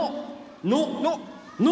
「の」！の？の！